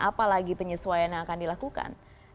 apalagi penyesuaian yang akan dilakukan